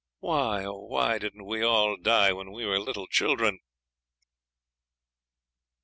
Why, oh why, didn't we all die when we were little children!'